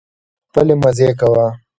خپلې مزې کوه